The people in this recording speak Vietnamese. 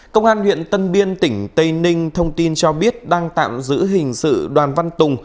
công an huyện tân biên tỉnh tây ninh thông tin cho biết đang tạm giữ hình sự đoàn văn tùng